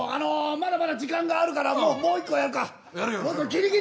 まだまだ時間があるからもういっこやるか。